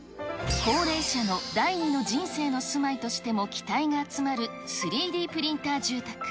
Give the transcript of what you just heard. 高齢者の第二の人生としての住まいとしても期待が集まる、３Ｄプリンター住宅。